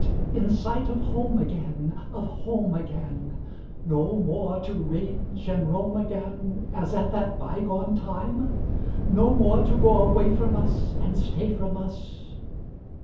In sight of home again, Of home again; No more to range and roam again As at that bygone time? No more to go away from us And stay from us?